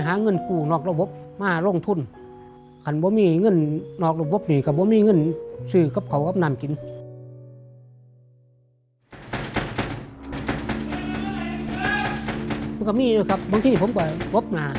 บางทีผมปว่าบ๊บหน่าก็ไม่มีเงิน